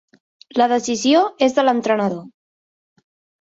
La decisió és de l'entrenador.